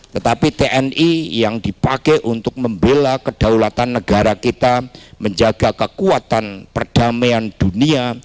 tetapi tni yang dipakai untuk membela kedaulatan negara kita menjaga kekuatan perdamaian dunia